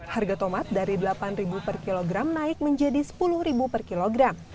harga tomat dari rp delapan per kilogram naik menjadi rp sepuluh per kilogram